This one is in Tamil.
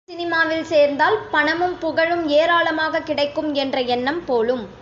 சினிமாவில் சேர்ந்தால் பணமும் புகழும் ஏராளமாகக் கிடைக்கும் என்ற எண்ணம் போலும்.